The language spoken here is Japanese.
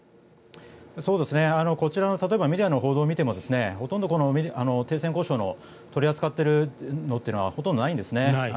こちらの例えば、メディアの報道を見てもほとんど停戦交渉を取り扱っているのってのはほとんどないんですね。